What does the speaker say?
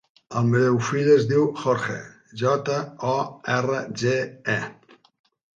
El meu fill es diu Jorge: jota, o, erra, ge, e.